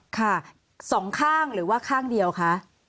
ค่ะสองข้างหรือว่าข้างเดียวคะ